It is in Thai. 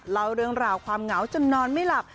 เล่าเรื่องราวความเหงาจนนอนไม่หลับ